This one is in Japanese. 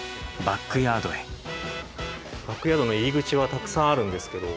バックヤードの入り口はたくさんあるんですけど。